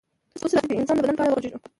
اوس راځئ چې د انسان د بدن په اړه وغږیږو